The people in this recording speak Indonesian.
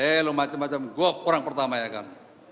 eh lo macam macam gop orang pertama ya kan